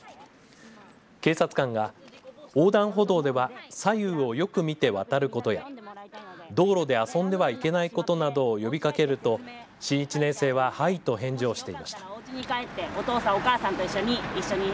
警察官が横断歩道では左右をよく見て渡ることや道路で遊んではいけないことなどを呼びかけると新１年生ははいと返事をしていました。